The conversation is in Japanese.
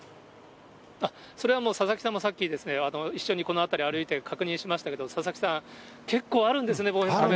それは佐々木さんもさっき、一緒にこの辺り歩いて確認しましたけれども、佐々木さん、結構ああるんですね。